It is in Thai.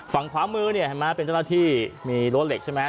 ฝั่งขวามือเป็นเจ้าหน้าที่มีรถเหล็กใช่ไหม